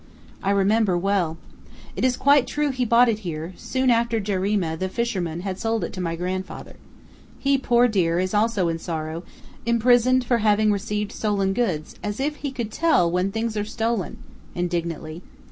"I remember well. It is quite true he bought it here, soon after Jarima, the fisherman, had sold it to my grandfather. He, poor dear, is also in sorrow, imprisoned for having received stolen goods, as if he could tell when things are stolen!" indignantly.